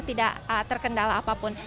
tidak terkendala apapun